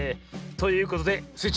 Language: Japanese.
ということでスイ